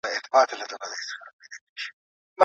الله تعالی نعمتونه څنګه زياتوي؟